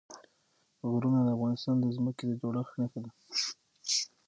غرونه د افغانستان د ځمکې د جوړښت نښه ده.